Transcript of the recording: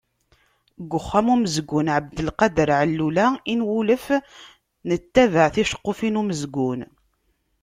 Deg Uxxam n umezgun Ɛebdelkader Allula i nwulef nettabaɛ ticeqqufin n umezgun.